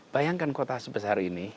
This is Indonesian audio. bayangkan kota sebesar ini